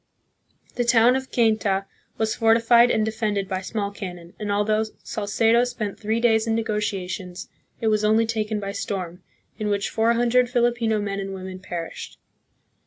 The town of Cainta was fortified and defended by small cannon, and although Salcedo spent three days hi negotiations, it was only taken by storm, in which four hundred Filipino men and women perished.